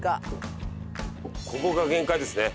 ここが限界ですね。